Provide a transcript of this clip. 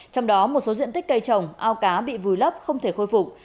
trong đó một số diện tích cây trồng ao cá bị vùi lấp không thể khôi phục